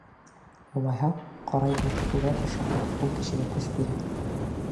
— Улайһа, ҡара икмәкте күберәк аша, ул кешегә көс бирә...